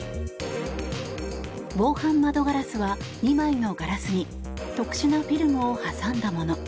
防犯窓ガラスは、２枚のガラスに特殊なフィルムを挟んだもの。